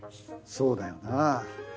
そうだよなぁ。